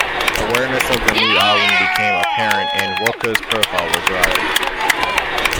Awareness of the new album became apparent and Wilco's profile was rising.